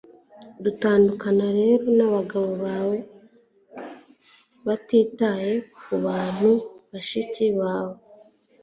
tandukana rero n'abagabo bawe batitaye kubantu, bashiki bawe